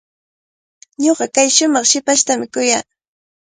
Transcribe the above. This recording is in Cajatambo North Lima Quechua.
Ñuqa kay shumaq hipashtami kuyaa.